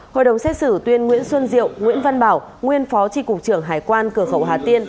hội đồng xét xử tuyên nguyễn xuân diệu nguyễn văn bảo nguyên phó tri cục trưởng hải quan cửa khẩu hà tiên